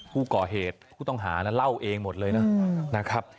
ผู้ก่อเหตุผู้ต้องหาเนี่ยเล่าเองหมดเลยนะครับ